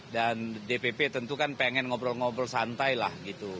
dpp tentu kan ingin ngobrol ngobrol santai lah